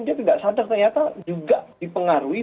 dia tidak sadar ternyata juga dipengaruhi